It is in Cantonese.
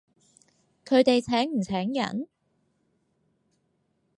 佢哋請唔請人？